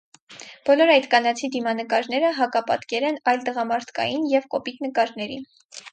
Բոլոր այդ կանացի դիմանկարները հակապատկեր են այլ տղամարդկային և կոպիտ նկարների։